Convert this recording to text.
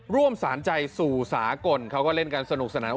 ร่วมสารใจสู่สากลเขาก็เล่นกันสนุกสนาน